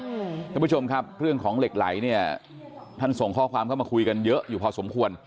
ท่านผู้ชมครับเรื่องของเหล็กไหลเนี่ยท่านส่งข้อความเข้ามาคุยกันเยอะอยู่พอสมควร